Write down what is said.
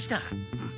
うん。